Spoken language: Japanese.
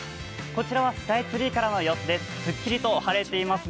こちらはスカイツリーからの様子です。